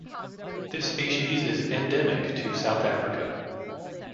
This species is endemic to South Africa.